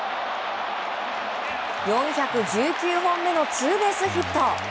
４１９本目のツーベースヒット。